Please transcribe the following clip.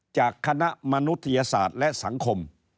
จากคณะมนุษยศาสตร์และสังคม